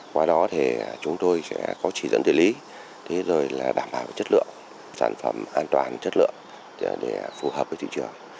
qua đó thì chúng tôi sẽ có chỉ dẫn địa lý thế rồi là đảm bảo chất lượng sản phẩm an toàn chất lượng để phù hợp với thị trường